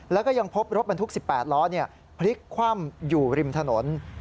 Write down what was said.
แล้วก็ยังพบรถบรรทุก๑๘ล้อพลิกคว่ำอยู่ริมถนน